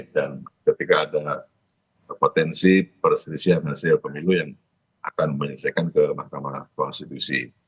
dan ketika ada potensi perselisihan hasil pemilu yang akan menyelesaikan ke mahkamah konstitusi